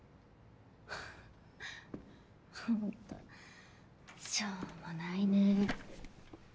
フフっホントしょうもないね。